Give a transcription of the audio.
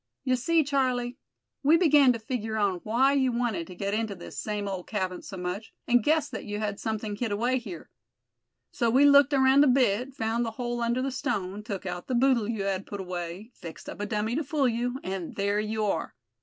"You see, Charlie, we began to figure on why you wanted to get into this same old cabin so much, and guessed that you had something hid away here. So we looked around a bit, found the hole under the stone, took out the boodle you had put away, fixed up a dummy to fool you; and there you are.